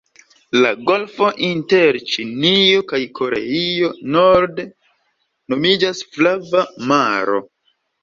La golfo inter Ĉinio kaj Koreio norde nomiĝas Flava maro.